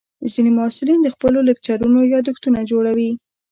ځینې محصلین د خپلو لیکچرونو یادښتونه جوړوي.